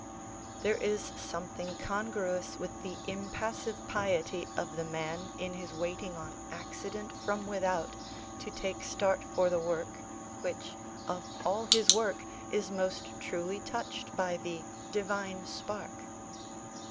There is something congruous with the impassive piety of the man in his waiting on accident from without to take start for the work, which, of all his work, is most truly touched by the "divine spark."